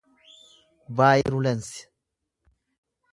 vaayirulensi